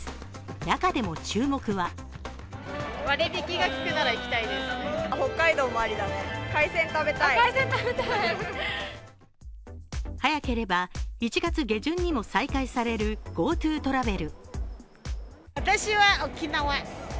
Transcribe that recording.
中でも、注目は早ければ１月下旬にも再開されるＧｏＴｏトラベル。